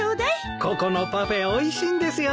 ここのパフェおいしいんですよねえ。